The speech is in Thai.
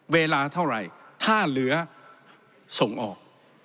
เวลาเท่าไหร่ถ้าเหลือส่งออก